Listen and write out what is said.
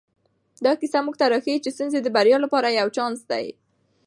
دا کیسه موږ ته راښيي چې ستونزې د بریا لپاره یو چانس دی.